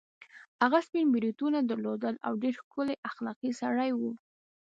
هغه سپین بریتونه درلودل او ډېر ښکلی اخلاقي سړی وو.